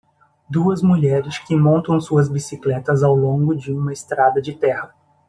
Duas mulheres que montam suas bicicletas ao longo de uma estrada de terra.